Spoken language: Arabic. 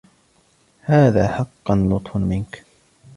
هذا حقاً لطفاً منك.